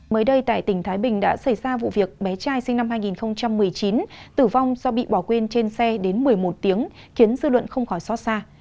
mới đây tại tỉnh thái bình đã xảy ra vụ việc bé trai sinh năm hai nghìn một mươi chín tử vong do bị bỏ quên trên xe đến một mươi một tiếng khiến dư luận không khỏi xót xa